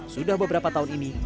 sudah beberapa tahun ini